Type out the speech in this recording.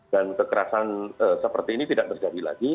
dan kekerasan seperti ini tidak terjadi lagi